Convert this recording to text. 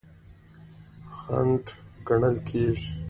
خنډ ګڼل کیږي.